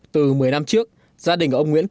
từ một mươi năm trước gia đình của ông nguyễn phúc